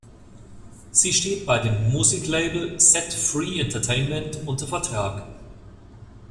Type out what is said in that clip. Sie steht bei dem Musiklabel "set free Entertainment" unter Vertrag.